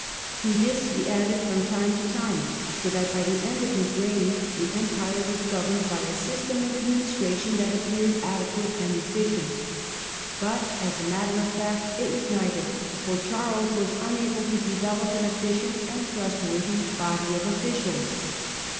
To this he added from time to time, so that by the end of his reign the Empire was governed by a system of administration that appeared adequate and efficient. But as a matter of fact it was neither, for Charles was unable to develop an efficient and trustworthy body of officials.